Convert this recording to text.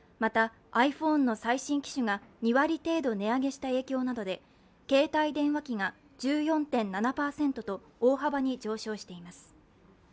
また、ｉＰｈｏｎｅの最新機種が２割程度値上げした影響などで携帯電話機が１４．７％と大幅に上昇しています。